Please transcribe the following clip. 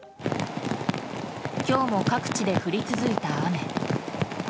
今日も各地で降り続いた雨。